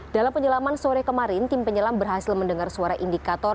dalam penyelaman sore kemarin tim penyelam berhasil mendengar suara indikator